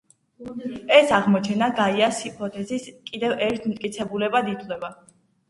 ეს აღმოჩენა გაიას ჰიპოთეზის კიდევ ერთ მტკიცებულებად ითვლება.